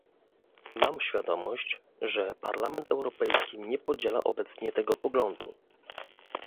Mam świadomość, że Parlament Europejski nie podziela obecnie tego poglądu